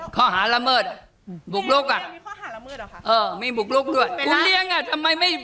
น้องจะดำเนินคดีไหม